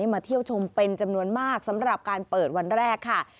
มาเที่ยวชมเป็นจำนวนมากสำหรับการเปิดวันแรกค่ะ